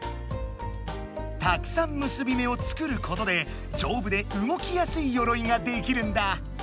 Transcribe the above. たくさん結び目を作ることで丈夫で動きやすいよろいができるんだ。